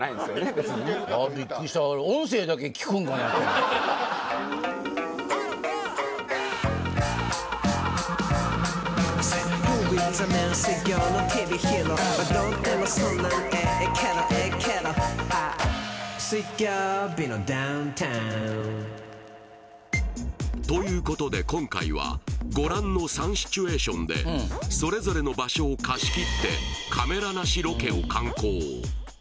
別にねあっビックリした俺ということで今回はご覧の３シチュエーションでそれぞれの場所を貸し切ってカメラ無しロケを敢行